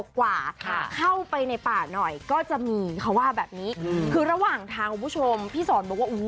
กว่าเข้าไปในป่าหน่อยก็จะมีเขาว่าแบบนี้คือระหว่างทางคุณผู้ชมพี่สอนบอกว่า